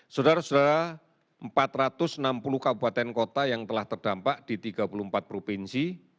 saudara saudara empat ratus enam puluh kabupaten kota yang telah terdampak di tiga puluh empat provinsi